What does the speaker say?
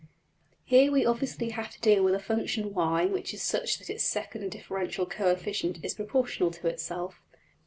}} Here we have obviously to deal with a function~$y$ which is such that its second differential coefficient is proportional to itself.